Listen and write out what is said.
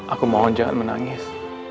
aku mohon jangan menangis